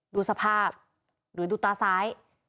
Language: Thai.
ดูสภาพหรือดูตาซ้าย